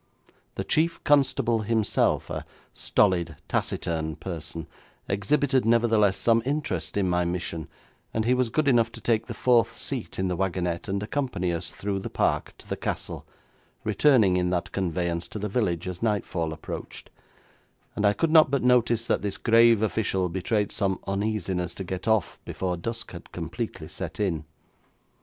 The chief constable himself, a stolid, taciturn person, exhibited, nevertheless, some interest in my mission, and he was good enough to take the fourth seat in the wagonette, and accompany us through the park to the castle, returning in that conveyance to the village as nightfall approached, and I could not but notice that this grave official betrayed some uneasiness to get off before dusk had completely set in.